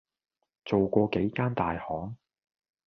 做過幾間大行